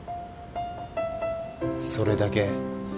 それだけ